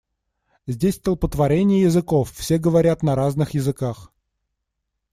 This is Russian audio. Здесь столпотворение языков, все говорят на разных языках.